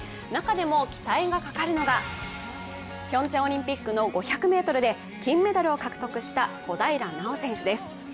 中でも期待がかかるのがピョンチャンオリンピックの５００ｍで金メダルを獲得した小平奈緒選手です。